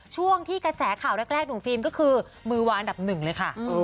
ช่วงที่กระแสข่าวแรกหนุ่มฟิล์มก็คือมือวางอันดับหนึ่งเลยค่ะ